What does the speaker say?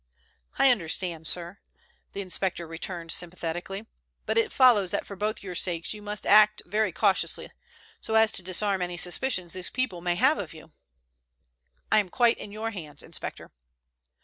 "I understand, sir," the inspector returned sympathetically, "but it follows that for both your sakes you must act very cautiously, so as to disarm any suspicions these people may have of you." "I am quite in your hands, inspector."